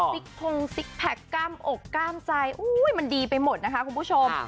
ซิกพงซิกแพคกล้ามอกกล้ามใจมันดีไปหมดนะคะคุณผู้ชม